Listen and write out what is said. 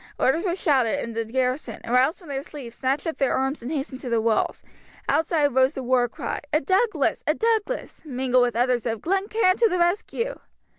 Orders were shouted, and the garrison, aroused from their sleep, snatched up their arms and hastened to the walls. Outside rose the war cry, "A Douglas! A Douglas!" mingled with others of, "Glen Cairn to the rescue!"